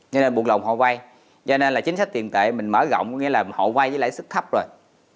nên buồn lòng họ quay cho nên là chính sách tiền tệ mình mở rộng nghĩa là họ quay với lãi suất thấp rồi